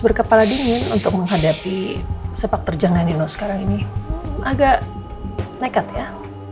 berkepala dingin untuk menghadapi sepak terjangan dino sekarang ini agak nekat ya